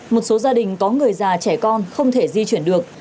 một số gia đình có người già trẻ con không thể di chuyển được